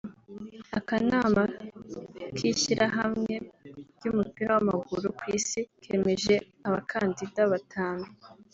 Akanama k’ishyirahamwe ry’umupira w’amaguru ku Isi kemeje abakandida batanu